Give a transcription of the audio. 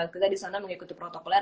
kita disana mengikuti protokol air